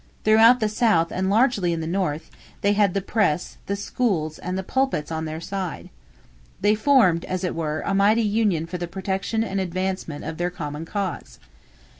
Throughout the South and largely in the North, they had the press, the schools, and the pulpits on their side. They formed, as it were, a mighty union for the protection and advancement of their common cause.